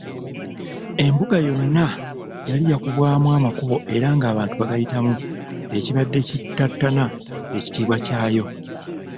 Embuga yonna yali yakubwamu amakubo era nga abantu bagayitamu, ekibadde kittattana ekitiibwa kyayo.